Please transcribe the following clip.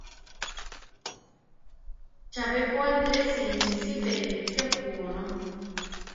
Chabé ko Antresi nisítire kepu onó.